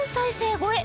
超え